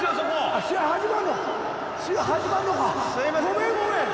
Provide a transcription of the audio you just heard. ごめんごめん。